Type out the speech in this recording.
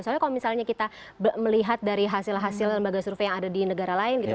soalnya kalau misalnya kita melihat dari hasil hasil lembaga survei yang ada di negara lain gitu